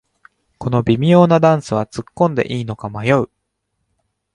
この微妙なダンスはつっこんでいいのか迷う